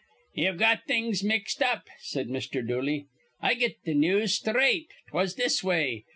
"Ye've got things mixed up," said Mr. Dooley. "I get th' news sthraight. 'Twas this way.